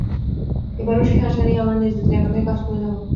এবারও সেই আশা নিয়ে আমরা নিজ নিজ জায়গা থেকে কাজ করে যাব।